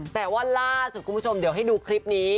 แต่ว่าล่าสุดคุณผู้ชมเดี๋ยวให้ดูคลิปนี้